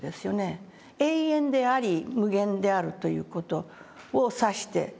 永遠であり無限であるという事を指して。